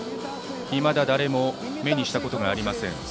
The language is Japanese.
いまだ誰も目にしたことがありません